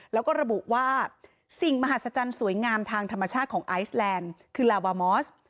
แล้วก็ระบุว่าสิ่งมหัศจรรย์สวยงามทางธรรมชาติของไอซแลนด์คือลาบามอส